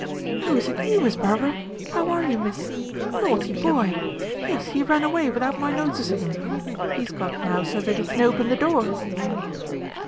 "Oh, is it you, Miss Barbara? How are you, miss? Naughty boy! yes, he ran away without my noticing him he is got now so that he can open the door."